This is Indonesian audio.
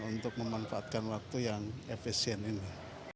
untuk memanfaatkan waktu yang efisien ini